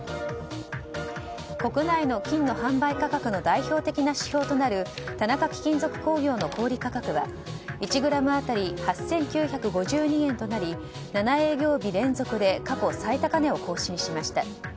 国内の金の販売価格の代表的な指標となる田中貴金属工業の小売価格は１ｇ辺り８９５２円となり７営業日連続で過去最高値を更新しました。